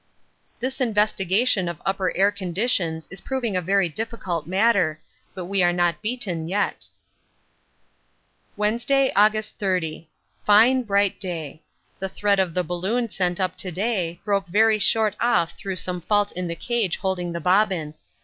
This investigation of upper air conditions is proving a very difficult matter, but we are not beaten yet. Wednesday, August 30. Fine bright day. The thread of the balloon sent up to day broke very short off through some fault in the cage holding the bobbin.